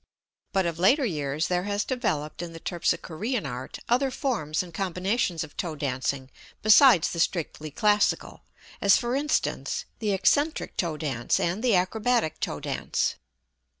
But of later years there has developed in the terpsichorean art other forms and combinations of toe dancing besides the strictly classical, as for instance, the eccentric toe dance and the acrobatic toe dance.